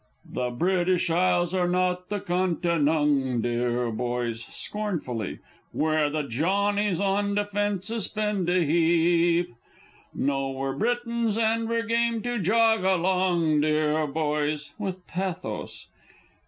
_ The British Isles are not the Conti nong, deah boys! (Scornfully.) Where the Johnnies on defences spend a heap. No! we're Britons, and we're game to jog along, deah boys! (_With pathos.